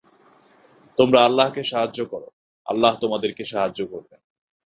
তোমরা আল্লাহকে সাহায্য কর, আল্লাহ তোমাদেরকে সাহায্য করবেন।